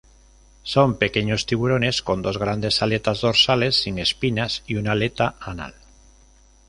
Son pequeños tiburones con dos grandes aletas dorsales sin espinas y una aleta anal.